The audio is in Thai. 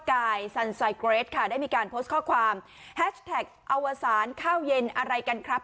กายซันไซเกรสค่ะได้มีการโพสต์ข้อความแฮชแท็กอวสารข้าวเย็นอะไรกันครับ